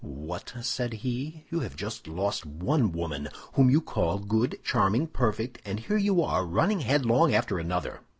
"What!" said he, "you have just lost one woman, whom you call good, charming, perfect; and here you are, running headlong after another."